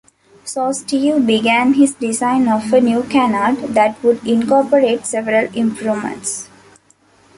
So Steve began his design of a new canard that would incorporate several improvements.